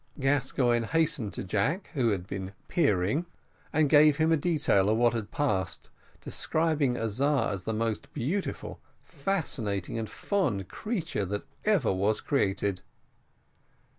Gascoigne hastened to Jack, who had been peeping, and gave him a detail of what had passed, describing Azar as the most beautiful, fascinating, and fond creature that ever was created.